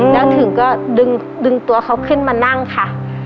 แล้วถึงก็ดึงตัวเขาขึ้นมานั่งค่ะ